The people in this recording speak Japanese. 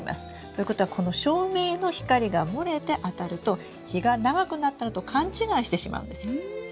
ということはこの照明の光が漏れてあたると日が長くなったのと勘違いしてしまうんですよ。